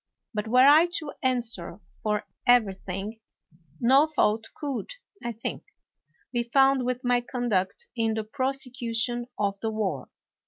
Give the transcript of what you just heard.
But were I to answer for everything no fault could, I think, be found with my conduct in the prosecution of the war.